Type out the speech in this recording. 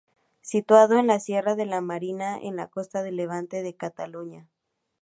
Situado en la sierra de la Marina, en la costa de levante de Cataluña.